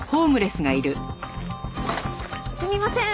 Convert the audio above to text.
すみません。